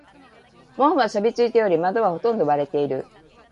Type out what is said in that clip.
門は錆びついており、窓はほとんど割れている。